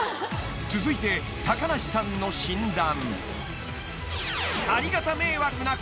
［続いて高梨さんの診断］